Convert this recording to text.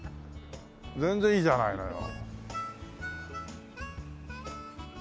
全然いいじゃないのよ。